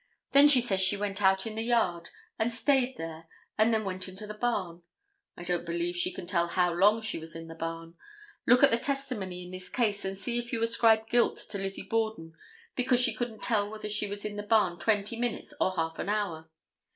Then she says she went out in the yard and stayed there, and then went into the barn. I don't believe she can tell how long she was in the barn. Look at the testimony in this case and see if you ascribe guilt to Lizzie Borden because she couldn't tell whether she was in the barn twenty minutes or half an hour.